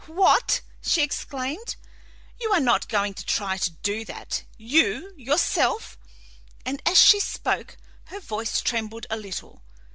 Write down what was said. "What!" she exclaimed. "You are not going to try to do that you, yourself?" And as she spoke, her voice trembled a little.